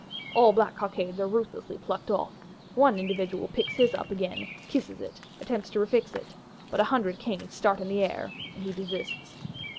All black cockades are ruthlessly plucked off: one individual picks his up again; kisses it, attempts to refix it; but a "hundred canes start into the air," and he desists.